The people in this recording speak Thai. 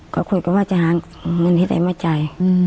ก็คุยกันว่าจะหาเงินที่ไหนมาจ่าย